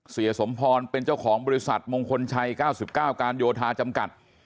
สมพรเป็นเจ้าของบริษัทมงคลชัย๙๙การโยธาจำกัด